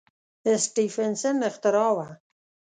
سټېفنسن اختراع وه.